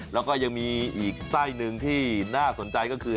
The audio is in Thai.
แล้วก็ยังมีอีกไส้หนึ่งที่น่าสนใจก็คือ